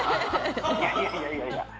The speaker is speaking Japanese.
いやいやいやいや。